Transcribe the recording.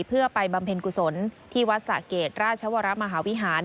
เพื่อไปบำเพ็ญกุศลที่วัดสะเกดราชวรมหาวิหาร